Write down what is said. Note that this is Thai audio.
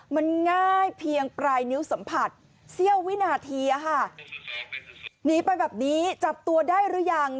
มันง่ายเพียงปลายนิ้วสัมผัสเสี้ยววินาทีหนีไปแบบนี้จับตัวได้หรือยัง